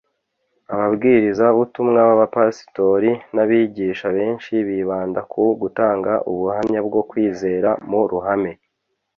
Ababwiriza-butumwa n'abapasitori n'abigisha benshi bibanda ku gutanga ubuhamya bwo kwizera mu ruhame